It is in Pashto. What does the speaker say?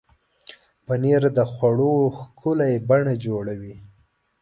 پنېر د خوړو ښکلې بڼه جوړوي.